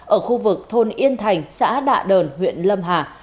ở khu vực thôn yên thành xã đạ đờn huyện lâm hà